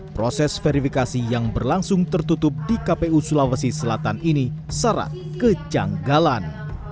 proses verifikasi yang berlangsung tertutup di kpu sulawesi selatan ini syarat kejanggalan